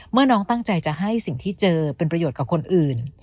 เมื่อน้องตั้งใจจะให้สิ่งที่เจอเป็นประโยชน์กับคนอื่น